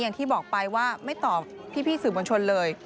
อย่างที่บอกไปว่าไม่ตอบพี่สื่อมวลชนเลย